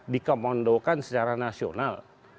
dikemondokan secara nasional